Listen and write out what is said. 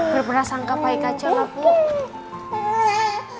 berperasang kapai kacau lah bu